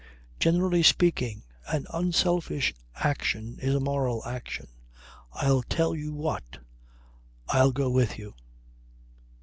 Generally speaking, an unselfish action is a moral action. I'll tell you what. I'll go with you."